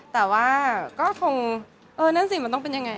แต่ว่าก็คงเออนั่นสิมันต้องเป็นยังไง